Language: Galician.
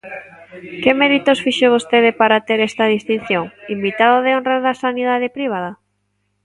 ¿Que méritos fixo vostede para ter esta distinción: invitado de honra da sanidade privada?